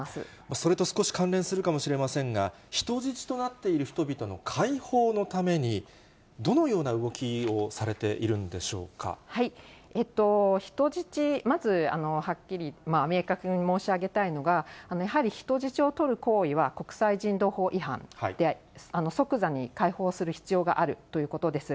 それと少し関連するかもしれませんが、人質となっている人々の解放のためにどのような動きをされている人質、まずはっきり明確に申し上げたいのが、やはり人質を取る行為は、国際人道法違反で、即座に解放する必要があるということです。